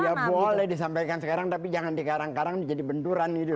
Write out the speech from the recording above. tidak boleh disampaikan sekarang tapi jangan di karang karaan jadi benduran gitu